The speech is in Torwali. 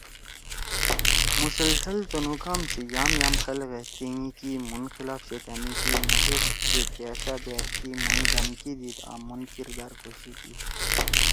مسلسل تُنُو کھام سی یام یام خلگے تینگی کی، مُھن خلاف شیطأنی کی، مھو پیش پیِڑپأشا بأت کی، مھوئے دھکمی دیِد آں مُھن کردار کُشی کی۔